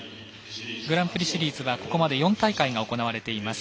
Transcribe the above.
グランプリシリーズはここまで４大会が行われています。